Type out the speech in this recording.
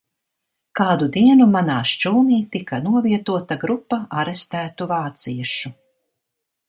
Kādu dienu manā šķūnī tika novietota grupa arestētu vāciešu.